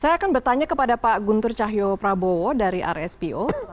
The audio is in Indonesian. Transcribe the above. saya akan bertanya kepada pak guntur cahyo prabowo dari rspo